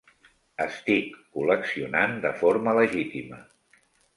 Estic col·leccionant de forma legítima.